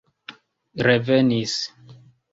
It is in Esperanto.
revenis